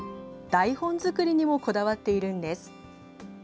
台本作りにもこだわっているんです。